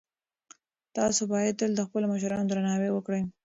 تاسو باید تل د خپلو مشرانو درناوی وکړئ.